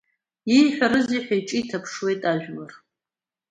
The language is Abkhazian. Ииҳәарызеи ҳәа иҿы иҭаԥшуеит ажәлар.